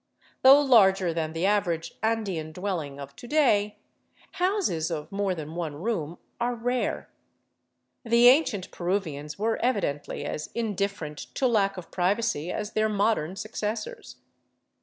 Though larger than the average Andean dwelling of to day, houses of more than one room, are rare. The ancient Peruvians were evidently as indifferent to lack of privacy as their modern successors.